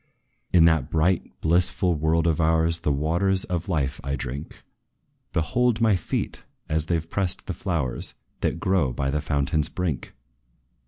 "In that bright, blissful world of ours, The waters of life I drink: Behold my feet, as they 've pressed the flowers, That grow by the fountain's brink!